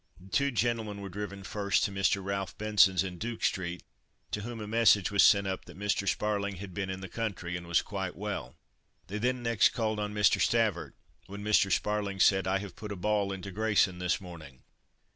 The two gentlemen were driven first to Mr. Ralph Benson's in Duke street, to whom a message was sent up that Mr. Sparling "had been in the country and was quite well." They next called on Mr. Stavert, when Mr. Sparling said, "I have put a ball into Grayson this morning."